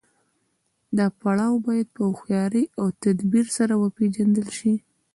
دا پړاو باید په هوښیارۍ او تدبیر سره وپیژندل شي.